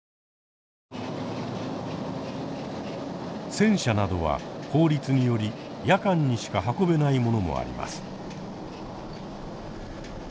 戦車などは法律により夜間にしか運べないものもあります。